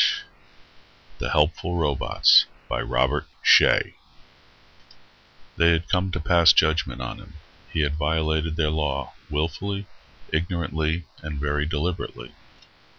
_ the helpful robots by ROBERT J. SHEA They had come to pass judgement on him. He had violated their law wilfully, ignorantly, and very deliberately.